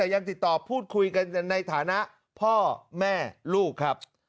พอพูดคุยกันในฐานะพ่อแม่ลูกครับ